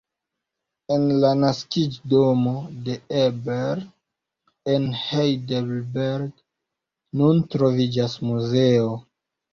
En la naskiĝdomo de Ebert, en Heidelberg, nun troviĝas muzeo.